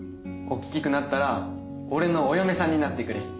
大きくなったら俺のお嫁さんになってくれ。